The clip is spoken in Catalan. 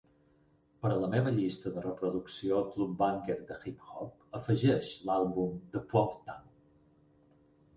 Per a la meva llista de reproducció club-banger de hip hop, afegeix l'àlbum de Phuong Thanh